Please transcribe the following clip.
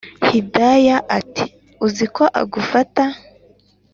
hidaya ati”uziko agufata